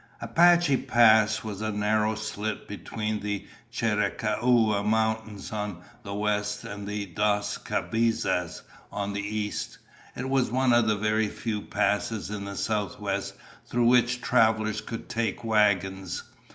Apache Pass was a narrow slit between the Chiricahua Mountains on the west and the Dos Cabezas on the east. It was one of the very few passes in the Southwest through which travelers could take wagons.